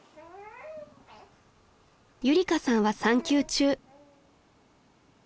［ゆりかさんは産休中］